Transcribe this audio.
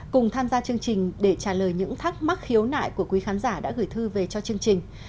cùng tham gia chương trình để trả lời những thắc mắc khiếu nại của quý khán giả đã gửi thư về cho chương trình